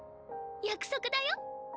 約束だよ。